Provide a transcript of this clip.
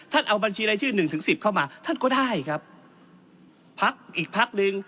เอาบัญชีรายชื่อหนึ่งถึงสิบเข้ามาท่านก็ได้ครับพักอีกพักหนึ่ง